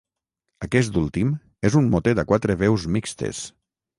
Aquest últim és un motet a quatre veus mixtes.